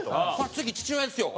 次父親ですよ。